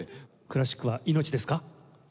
クラシックは命ですか？